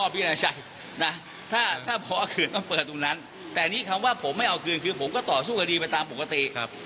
พิจารณานะถ้าพอคืนมาเปิดตรงนั้นแต่นี่คำว่าผมไม่เอาคืนคือผมก็ต่อสู้คดีไปตามปกติ